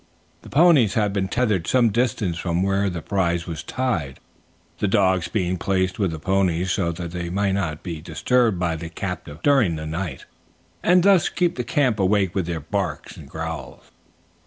The ponies had been tethered some distance from where the prize was tied, the dogs being placed with the ponies so that they might not be disturbed by the captive during the night and thus keep the camp awake with their barks and growls.